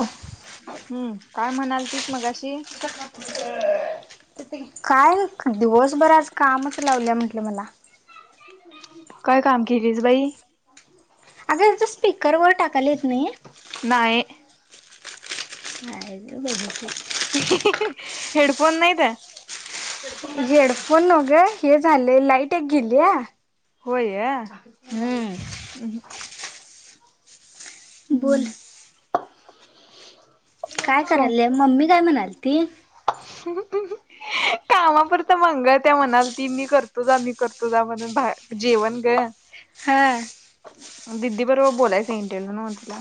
हो. हम्म काय म्हणाल तीच मगाशी. [unintelligible] ते काय दिवसभर आज कामच लावल्या म्हंटलं मला. [inaudible] काय काम केलीस बाई? अगे याचा स्पीकरवर टाकायला येत नाही. नाहीय नाही बघ की. हेडफोन नाही? हेडफोन न गं हे झालेय लाईट एक गेलीया. होय? बोल. [inaudible] [unintelligible] काय करायलेय मम्मी काय म्हणाल ती? [inaudible] कामा पूरत मंगलताई म्हणालती मी करतो जा, मी करतो जा म्हणून बाह जेवण ग. हा. दिदी बरोबर बोलायचं [unintelligible] ओ तिला.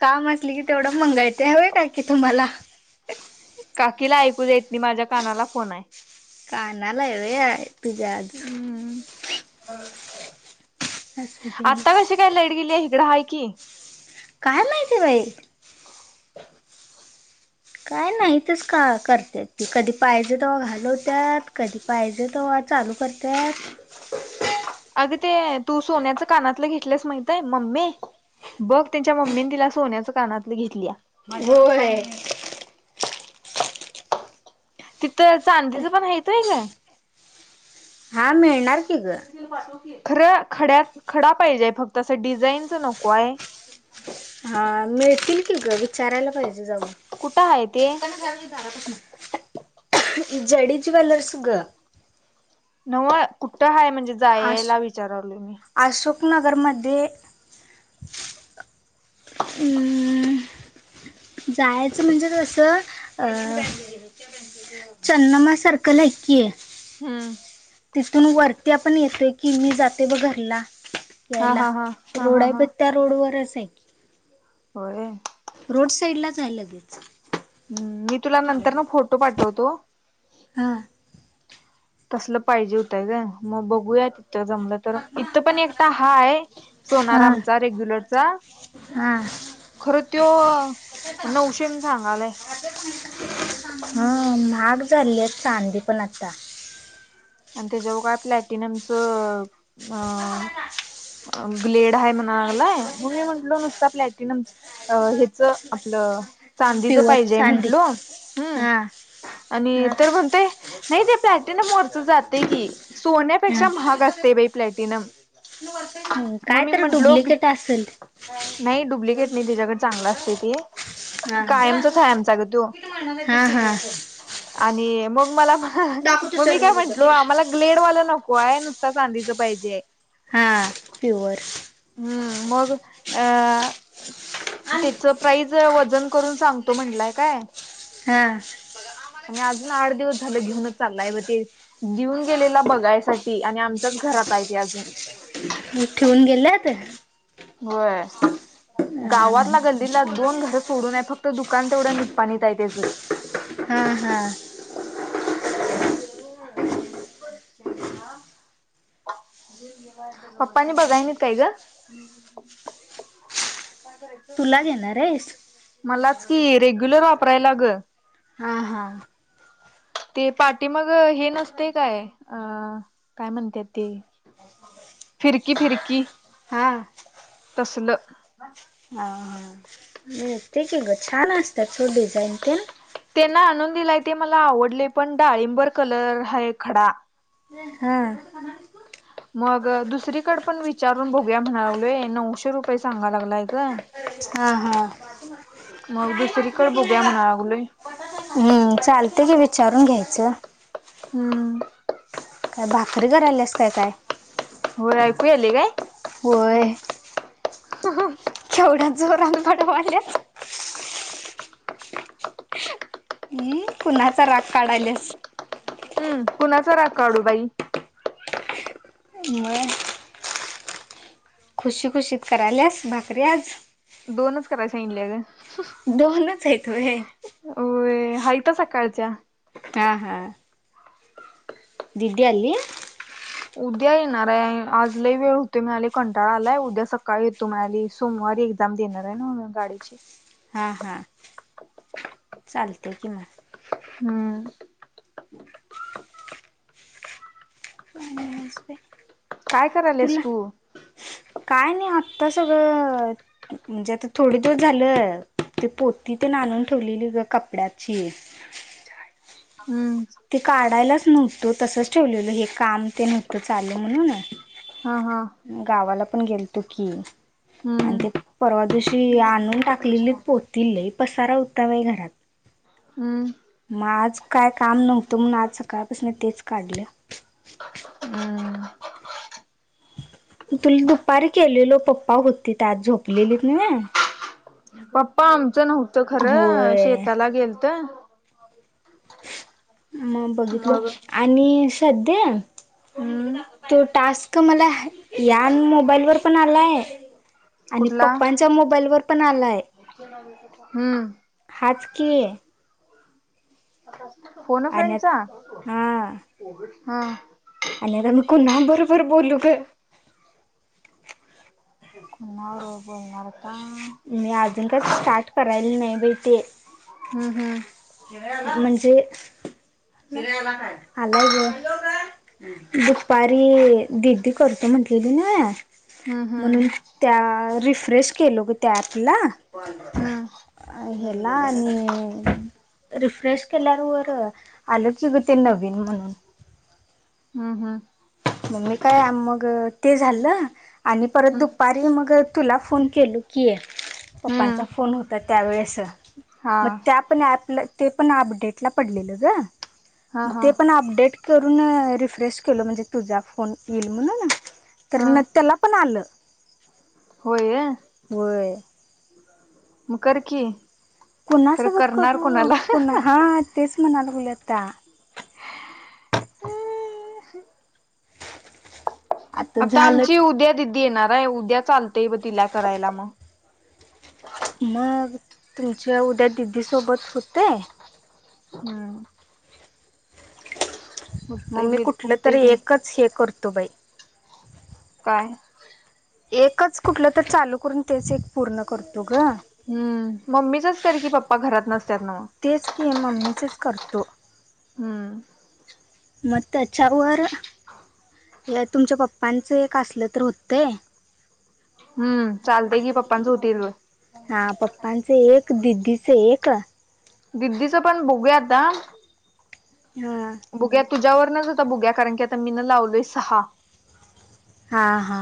काम असली की तेवढं मंगायते हवे का की तुम्हाला काकीला ऐकू जात नाही माझ्या कानाला फोन आहे. कानाला हाय होय तुझ्या? हम्म असं ते आता कसे काय लाईड गेली इकड हाय की. काय माहिती बाई. [inaudible] काय नाही तेच का करते ती कधी पाहिजे तेव्हा घालवत्यात कधी पाहिजे तवा चालू करत्यात. अगे ते तू सोन्याच कानातलं घेतलंस माहितय मम्मी बघ त्यांच्या मम्मीने तिला सोन्याच कानातलं घेतली माझ्या काय होय नाही तिथं चांदीच पण आहेत होय ग? हा मिळणार की ग. खरं खड्यात खडा पाहिजेय फक्त असं डिझाईनच नको आहे. हा मिळतील की ग विचारायला पाहिजे जाऊन. कुठं आहे ते जडी ज्वेलर्स ग. नव कुठं हाय म्हणजे जाया अश यायला विचारालोय मी. अशोकनगरमध्ये अं जायचं म्हणजे कसं अ चन्नमा सर्कल आहे की. हम्. तिथून वरती आपण येतोय की मी जाते बग घरला. हा यायला हा हा हा रोड हा आहे हा पण त्या रोड वरच आहे. की होय? रोड साईड लाच आहे लगेच. हम्म मी तुला नंतरनं फोटो पाठवतो. हां. तसलं पाहिजे होतंय गं. मग बघूयात त जमलं तर इथं पण एकटा हाय सोनार हा आमचा रेग्युलरचा. हा. खरं त्यो नऊशेन सांगालाय. हा महाग झाली आहेत चांदी पण आता. आणि त्याच्यावर काय प्लॅटिनमचं अ ग्लेड आहे म्हणाय लागलाय, मग मी म्हंटलो नुसता प्लॅटिनमच अ हे च आपलं चांदीच प्युअर पाहिजेय चांदी म्हंटलो हम् हा आणि हा तर म्हणतोय नाही ते प्लॅटीनम वर च जातय की हा सोन्यापेक्षा महाग असते बाई प्लॅटिनम. मग काय मी तर म्हंटलो डुप्लिकेट असल. नाही डुप्लिकेट नाही तिच्याकडे चांगला असते ते. हा ना कायमचाच आहे आमचा ग त्यो. किती म्हणणार हा, हा. आणि मग मला दाखवतो चल ते मी म्हटलो तिथं आम्हाला ग्लेड वाला नको आहेय नुसता चांदीच पाहिजे. हा प्युअर. हम्म मग अ आणि त्याच प्राईज वजन करून सांगतो म्हटलंय काय? हा. आणि अजून आठ दिवस झालं घेऊनच चाललाय बघ ते. देऊन गेलेला बघायसाठी आणि आमच्याच घरात आहे ते अजून. मग ठेऊन गेल्यात? होय हा, गावातला गल्लीला दोन घरं सोडून हाय फक्त दुकान तेवढं निपाणीत आहे त्याचं. हा हा. स्वामीच स्नेहलन [unintelligible] पप्पानी बघाय नाईत काय ग? [unintelligible] तुला देेणार आहेस? मलाच की रेग्युलर वापरायला ग. हा. हा. ते पाठीमागं हे नसतंय काय, अ काय म्हणत्यात ते फिरकी फिरकी हा. तसलं हा हा. मिळतंय की ग छान असत्यात सोड डिझाईन त्या. त्यान आणून दिलाय ते मला आवडले पण डाळिंबर कलर हाय खडा. हा. मग दुसरीकड पण विचारून बघया म्हणालोय नऊशे रुपये सांगा लागलाय का हा हा. मग दुसरीकडे बघूया म्हणालोय. हम्म, चालतंय की विचारून घ्यायचं. हम्म. काय भाकरी करायल्यास काय काय? होय ऐकू यायलय काय? होय. [unintelligible] केवढ्या जोरात बडवायल्या. [inaudible] अं कुणाचा राग काढाल्यास? हम्म. कुणाचा राग काढू बाई? मग? खुशी खुशीत करायल्यास भाकरी आज. दोनच कराय सांगितल्या ग. दोनच आहेत व्हयं. होय हायतं सकाळच्या. हा हा. [inaudible] दीदी आली? उद्या येणार आहे‌. आज लई वेळ होतोय म्हणाली कंटाळा आलाय. उद्या सकाळी तुम्हाली सोमवारी एक्झाम देणार आहे ना गाडीची. हा हा चालतय की मग. हम्म. काय करायलस तुला तू. काय नाही आत्ता सगळं म्हणजे आता थोडे दिवस झालं ते पोती ते आणून ठेवलेली ग कपड्याची. हम्म. ते काढायलाच नव्हतं तसच ठेवलेलं हे काम ते नव्हतं चाल म्हणून. हा हा गावाला पण गेलतो की. आणि हम्म ते परवा दिवशी आणून टाकलेली पोती लय पसारा हुता आहे घरात. हम्म. मग आज काय काम नव्हतं म्हणून आज सकाळपासून तेच काढले. हम्म. तुला दुपारी केलेलो पप्पा होतीत आत झोपलेली नव्हे. पप्पा आमचं नव्हतं खरं होय शेताला गेलत. हो [unintelligible] मग बघितलो आणि सध्ये हम्म तो टास्क मला या मोबाईलवर पण आलाय. आणि कुठला पप्पांच्या मोबाईल वर पण आलाय. हम्म. हाच की. फोन अ आणि फ्रेंडचा हा हा. आणि तर मी पुन्हा बरोबर बोलू ग? णार [unintelligible] मी अजून काय स्टार्ट करायला नाही बाई ते. हम्म. हम्म. म्हणजे आलाय ग. दुपारी दिदी करतो म्हटलेली ना हम्म म्हणून त्या रिफ्रेश केलो ग त्या अँपला. हम्म. अ हेला आणि. रिफ्रेश केल्यावर आलं की इ ते नवीन म्हणून. हम्म हम्. मग् मी काय मग ते झालं आणि परत हम्म दुपारी मग तुला फोन केलो की. की आहे पप्पांचा हम्म फोन होता त्यावेळेस हा मग त्या पण ॲपला ते पण अपडेटला पडलेलं हा ग हा ते पण अपडेट करून रिफ फ्रेश केलो म्हणजे तुझा फोन येईल म्हणुन तर हा त्याला पण आलं. होय ये होय मग कर की. खरं कुणासोबत करणार करू हा कोणाला कोणा तेच म्हणाला हम् [unintelligible] आता आमची उद्या दिदी येणार आहे उद्या चालतय ब तिला करायला मग. मग तुमचं उद्या दिदीसोबत होतय. हम्म. मग होतय मी कुठलं होतय तरी की एकच हे करतो बाई. काय. एकच कुठलं तर, फोन चालू करून तेच एक पूर्ण करतो ग. हम्म मम्मीचच कर की पप्पा घरात नसत्यात नव. तेच की मम्मीच करतो. हम्म. मग त्याच्यावर तुमच्या पप्पांचं एक असलं तर होतंय. हम्म चालतेय की पप्पांच आणि होतय ग. हा पप्पांच एक दिदीचे एक दिदीचं पण बघूया आता. हा. बघूया तुझ्यावरनच आता बघूया, ‌कारण की आता मीनं लावलोय सहा. हा हा.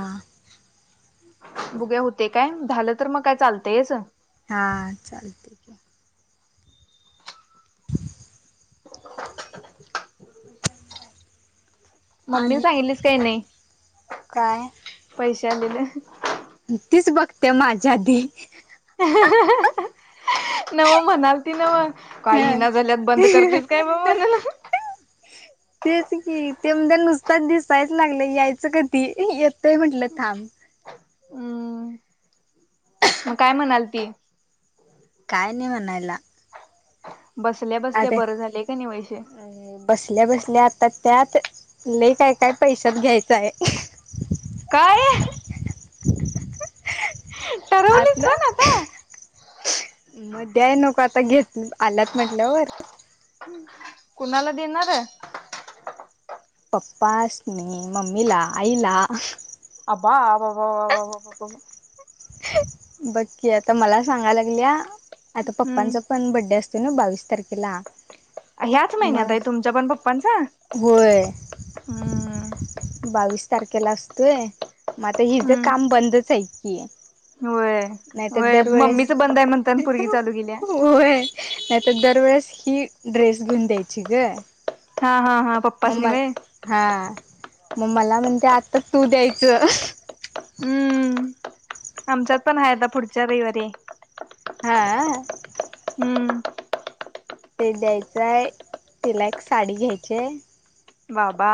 बुघूया होतंय काय, झालं तर मग काय चालतंयच. हा चालतंय की. [inaudible] मम्मीला आणि सांगितलीस काही नाही? काय पैसे आलेलं. तीच बघत्या माझ्या आधी. [unintelligible] नव्ह म्हनाल ते नव्हं काय हा यीना झाल्यात, बंद करतेस काय बा म्हणाला. तेच की ते म्हणत्या नुसता दिसायचं लागलंय. यायचं कधी. येतंय म्हटलं थांब. हम्म. मग काय म्हणालती? काय नाही म्हणायला. बसल्या बसल्या बरं झालंय कनई वैशे? अ बसल्या बसल्या आता त्यात लई काय काय पैशात घ्यायचं हाय. काय? ठरवलीस पण आतलं आता मग द्याय नको आता घेत आल्यात म्हंटल्यावर? कुणाला देणार? पप्पासनी, मम्मीला, आईला. आबा बा बा बा बा बा बा बघ की आता मला सांगाय लागल्या, आता हम्म पप्पांच पण बड्डे असतोय ना बावीस तारखेला. ह्याच म महिन्यात आहे तुमच्या पण पप्पांच? होय, ‌बावीस तारखेला असतोय. म आता हिजं काम बंदच हाय की. होय नाहीतर होय. दरवेळेस मम्मीच बंद आहे म्हणताना पोरगी चालू केल्या. नाही तर दरवेेळेस ही ड्रेस घेऊन द्यायची ग. हा हा हा. मग पप्पासनी म होय. हा, मग मला म्हणत्या आत्ता तू द्यायचं. हम्म. आमच्यात पण हाय आता पुढच्या रविवारी. हां. हम्म. ते द्यायचं आहे, तिला एक साडी घ्यायची आहे. बाबा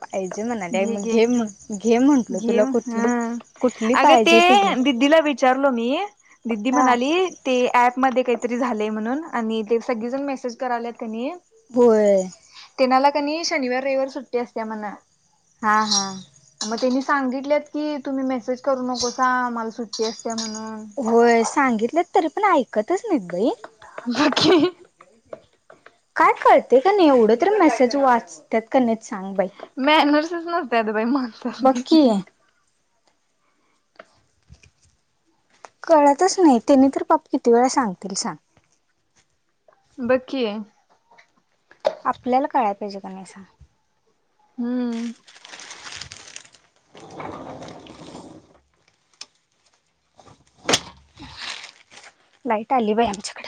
पाहिजे म्हणाले हे मग घे, म्हण घे म्हंटल तुला घेऊ कुठली हां. कुठली अगं ते पाहिजे ती घे दिदीला भेट विचारलो मी दीदी हा म्हणाली ते ॲपमध्ये काहीतरी झालंय म्हणून आणि ते सगळीजण मेसेज कराल्यात कनई होय. तेनाला कनई शनिवार, रविवार सुट्टी असत्या म्हण. हा हा. मग त्यांनी सांगितलेत की तुम्ही मेसेज करू नकोसा आम्हाला सुट्टी असत्या म्हणून. होय सांगितलेत तरी पण ऐकतच नाहीत बाई. बघ की काय कळतंय का नाही, एवढं तर मेसेज वाचत्यात का नाही सांग बाई? मॅनर्सच नव्हत्यात बाई मग बघकी. कळतच नाही त्यांनी तर पाप किती वेळा सांगतील सांग. बघ की. आपल्याला कळायला पाहिजे का नाही सांग. हम्म. [inaudible] [unintelligible] लाईट आली बाई आमच्याकडे.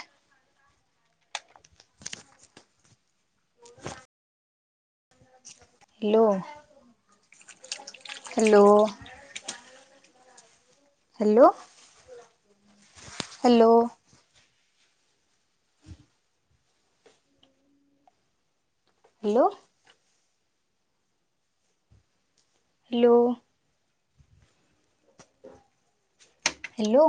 Hello! Hello. Hello hello. Hello. Hello. Hello.